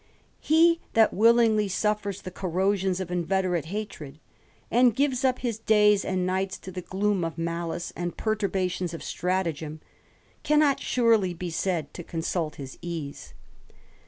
He that willingly suffers the corrosions of inveterate hatred, and gives up his days and nights to the Im of malice and perturbations of stratagem, cannot ly be said to consult his ease.